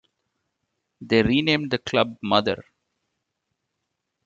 They renamed the club Mother.